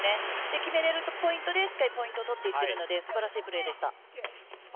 決められるポイントでしっかりポイントを取っているので素晴らしいポイントでした。